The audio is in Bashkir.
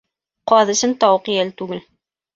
Ҡаҙ өсөн тауыҡ йәл түгел.